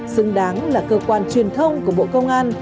xứng đáng là cơ quan truyền thông của bộ công an